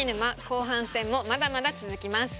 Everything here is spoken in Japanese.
後半戦もまだまだ続きます。